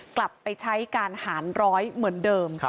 กลับไปใช้การหารร้อยเหมือนเดิม